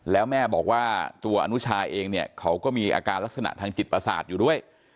แล้วแม่บอกว่าตัวอนุชาเองเนี่ยเขาก็มีอาการลักษณะทางจิตประสาทอยู่ด้วย